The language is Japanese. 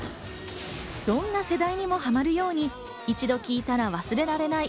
どんな世代にもハマるように一度聴いたら忘れられない